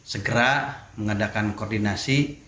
segera mengadakan koordinasi